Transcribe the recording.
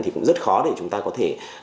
thì cũng rất khó để chúng ta có thể